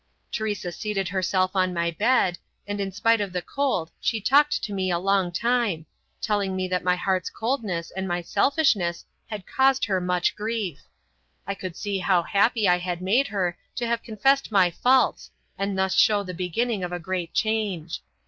Teresa seated herself on my bed, and in spite of the cold she talked to me a long time, telling me that my heart's coldness and my selfishness had caused her much grief. I could see how happy I had made her to have confessed my faults and thus show the beginning of a great change.